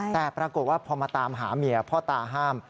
แต่ปรากฏว่าพอมาตามหาเมียพ่อตาห้าม